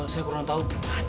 saya kurang tahu